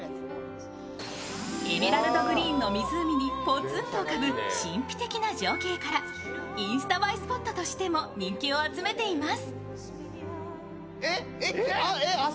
エメラルドグリーンの湖にぽつんと浮かぶ神秘的な情景からインスタ映えスポットとしても人気を集めています。